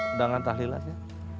undangan tahlilan ya